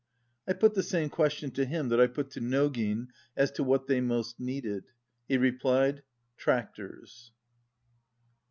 I put the same question to him that I put to Nogin as to what they most needed; he replied, "Trac tors."